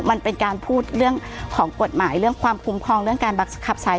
มันเป็นการพูดเรื่องของกฎหมายเรื่องความคุ้มครองเรื่องการบังคับใช้